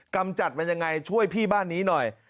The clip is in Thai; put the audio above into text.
กำจัดมันยังไงช่วยพี่บ้านนี้หน่อย